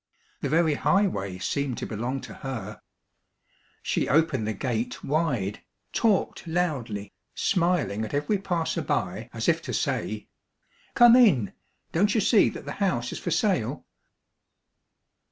The very highway seemed to belong to her. She opened the gate 248 Monday Tales, wide, talked loudly, smiling at every passer by, as if to say, —Come in. Don't you see that the house is for sale?"